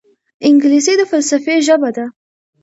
انګلیسي د فلسفې ژبه ده